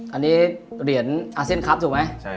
อันนี้เหรียญอาเซ็นต์ครับถูกมั้ย